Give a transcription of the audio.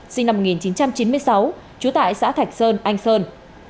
sinh năm một nghìn chín trăm chín mươi sáu trú tại xã thạch sơn anh sơn